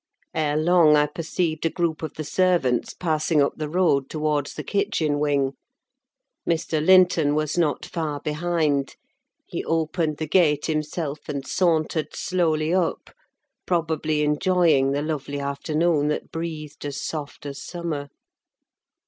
Ere long I perceived a group of the servants passing up the road towards the kitchen wing. Mr. Linton was not far behind; he opened the gate himself and sauntered slowly up, probably enjoying the lovely afternoon that breathed as soft as summer.